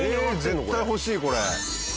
絶対欲しいこれ。